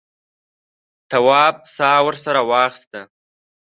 تواب سا ورسره واخیسته.